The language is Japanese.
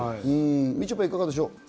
みちょぱ、いかがでしょう？